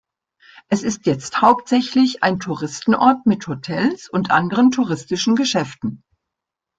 Es ist jetzt hauptsächlich ein Touristenort mit Hotels und anderen touristischen Geschäften.